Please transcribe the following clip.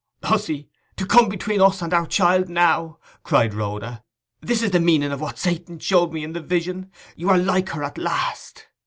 'Hussy—to come between us and our child now!' cried Rhoda. 'This is the meaning of what Satan showed me in the vision! You are like her at last!